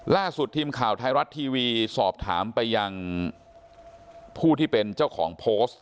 ล่าสุดทีมข่าวไทยรัฐทีวีสอบถามไปยังผู้ที่เป็นเจ้าของโพสต์